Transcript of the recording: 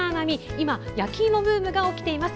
今焼きいもブームが起きています。